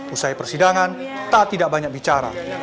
usai persidangan taat tidak banyak bicara